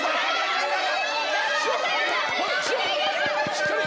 しっかり！